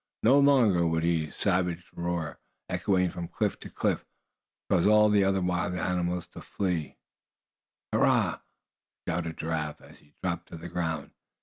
No longer would his savage roar, echoing from cliff to cliff, cause all other wild animals to flee. "Hurrah!" shouted Giraffe, as he dropped to the ground.